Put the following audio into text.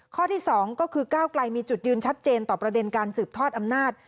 ข้อที่๒ก็คือก้าวไกลมีจุดยืนชัดเจนต่อประเด็นการสืบทอดอำนาจ